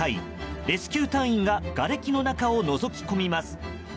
レスキュー隊員らががれきの中をのぞき込みます。